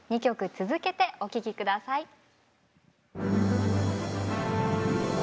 ２曲続けてお聴き下さい。